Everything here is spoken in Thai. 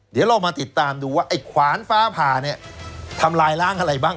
เดี๋ยวเรามาติดตามดูว่าไอ้ขวานฟ้าผ่าเนี่ยทำลายล้างอะไรบ้าง